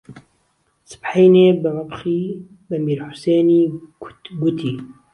سبحهینێ به مهبخی به میرحوسێنی کوت گوتی